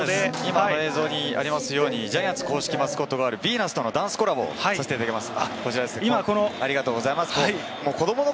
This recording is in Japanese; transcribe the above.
今、映像にありますように、ジャイアンツ公式マスコットガール・ヴィーナスとダンスコラボさせていただきます。